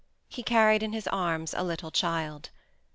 He carried in his arms a little child.